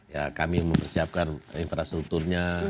ya kami mempersiapkan infrastrukturnya